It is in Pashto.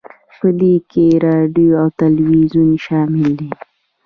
په دې کې راډیو او تلویزیون شامل دي